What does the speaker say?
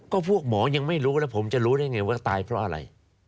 ก็พวกหมอยังไม่รู้แล้วผมจะรู้ได้ไงว่าตายเพราะอะไร